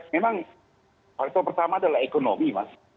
memang faktor pertama adalah ekonomi mas